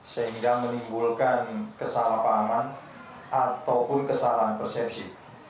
sehingga menimbulkan kesalahpahaman ataupun kesalahan persepsi